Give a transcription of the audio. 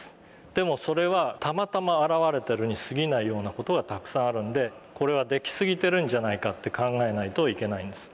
でもそれはたまたま現れてるにすぎないような事がたくさんあるんでこれは出来すぎてるんじゃないかって考えないといけないんです。